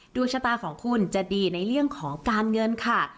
ดวงชะตาของคุณจะดีในเรื่องของการเงินค่ะ